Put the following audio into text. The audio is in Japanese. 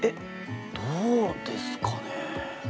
どうですかね？